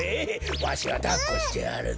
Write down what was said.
わしがだっこしてやるぞ！